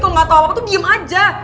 kalau nggak tahu apa apa tuh diem aja